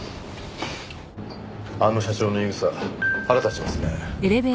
あの社長の言いぐさ腹立ちますね。